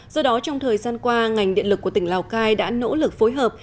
do đó trong thời gian qua ngành điện lực của tỉnh lào cai đã nỗ lực phối hợp